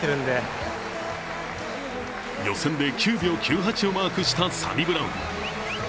予選で９秒９８をマークしたサニブラウン。